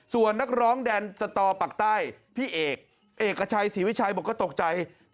ส่วนนักร้องแดนสตปักใต้พี่เอก